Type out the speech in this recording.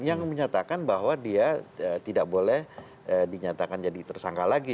yang menyatakan bahwa dia tidak boleh dinyatakan jadi tersangka lagi